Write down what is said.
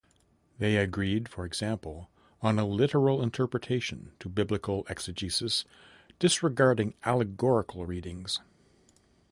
They agreed, for example, on a literal interpretation to Biblical exegesis, discarding allegorical readings.